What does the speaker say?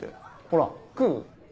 ほら食う？